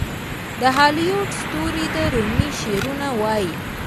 د هالیووډ ستوري د رومي شعرونه وايي.